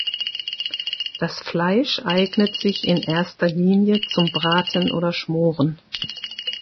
Das Fleisch eignet sich in erster Linie zum Braten oder Schmoren.